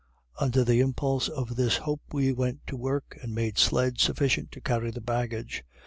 Under the impulse of this hope we went to work and made sleds sufficient to carry the baggage.